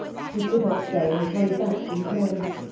He could not stay, and hurried back to his men.